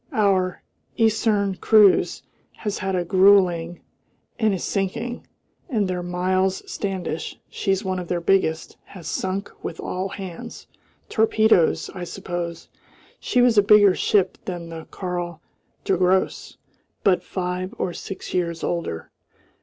Our Eiserne Kreuz has had a gruelling and is sinking, and their Miles Standish she's one of their biggest has sunk with all hands. Torpedoes, I suppose. She was a bigger ship than the Karl der Grosse, but five or six years older.